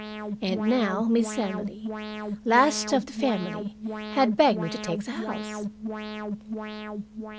And now Miss Emily, last of the family, had begged me to take the house.